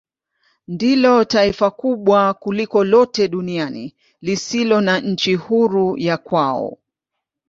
Ndilo taifa kubwa kuliko lote duniani lisilo na nchi huru ya kwao.